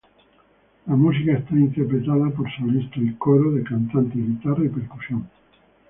La música es interpretada por solista y coro de cantantes, guitarras y percusión.